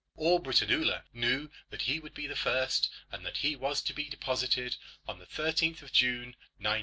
All Britannula knew that he would be the first, and that he was to be deposited on the 13th of June 1980.